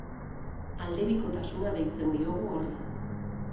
Aldebikotasuna deitzen diogu horri.